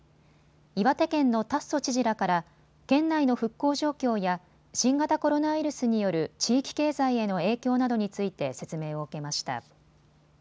岩手県の達増知事らから県内の復興状況や新型コロナウイルスによる地域経済への影響などについて説明を受けました。